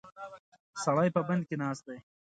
سړی په بند کې ناست دی.